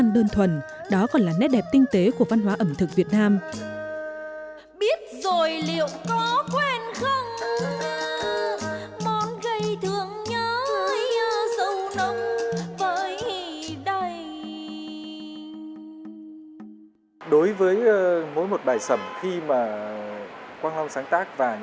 đến tận cái anh obama